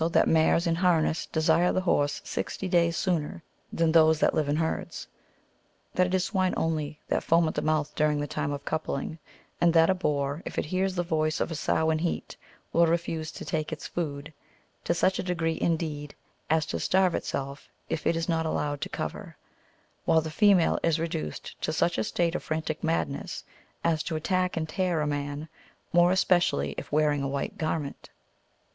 also, tliat mares in harness desire the horse sixty days sooner than those that live in herds ; that it is swine only that foam at the mouth during the time of coupling ; and that a boar, if it hears the voice of a sow in heat, ^vill refuse to take its food, — to such a degree, indeed, as to starve itself, if it is not al lowed to cover — while the female is reduced to such a state of frantic madness, as to attack and tear a man, more especially if wearing a white garment.